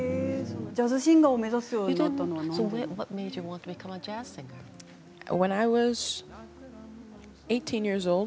ジャズシンガーを目指すようになったのはなぜなんですか。